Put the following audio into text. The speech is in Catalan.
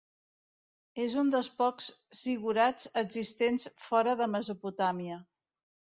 És un dels pocs zigurats existents fora de Mesopotàmia.